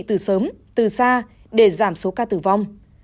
từ sớm từ xa để giảm số ca tử vong